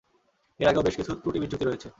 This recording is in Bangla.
এর আগেও বেশ কিছু ত্রুটিবিচ্যুতি হয়েছে।